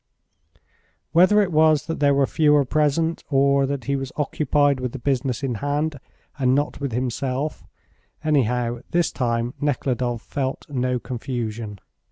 Whether it was that there were fewer present, or that he was occupied with the business in hand and not with himself, anyhow, this time Nekhludoff felt no confusion.